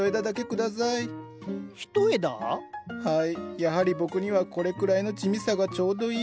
やはり僕にはこれくらいの地味さがちょうどいい。